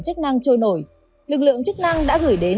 chất năng trôi nổi lực lượng chất năng đã gửi đến